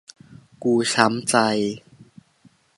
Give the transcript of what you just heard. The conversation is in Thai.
กูช้ำใจ